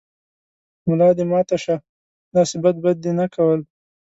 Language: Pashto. ملا دې ماته شۀ، داسې بد به دې نه کول